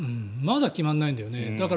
まだ決まってないんですよね。